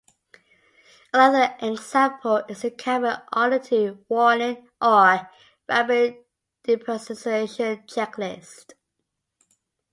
Another example is the Cabin Altitude Warning or Rapid Depressurization checklist.